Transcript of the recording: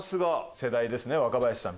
世代ですね若林さん。